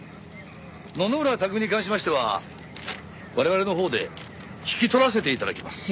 野々村拓海に関しましては我々のほうで引き取らせて頂きます。